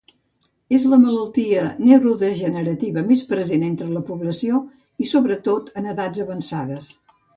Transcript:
És la malaltia neurodegenerativa més present entre la població, i sobretot, en edats avançades.